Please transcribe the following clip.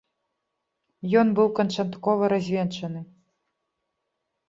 Ён быў канчаткова развенчаны.